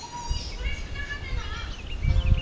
うれしくなかったの？